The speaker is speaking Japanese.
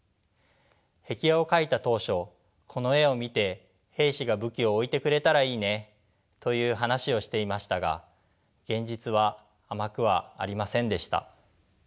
壁画を描いた当初この絵を見て兵士が武器を置いてくれたらいいねという話をしていましたが現実は甘くはありませんでした。